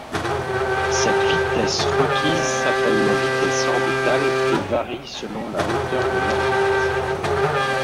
Cette vitesse requise s'appelle la vitesse orbitale et varie selon la hauteur de l'orbite.